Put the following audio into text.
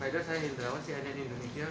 pak aydar saya aydar awad cnn indonesia